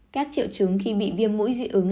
các triệu chứng khi bị viêm mũi dị ứng